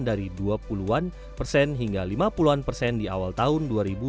dari dua puluh an persen hingga lima puluh an persen di awal tahun dua ribu dua puluh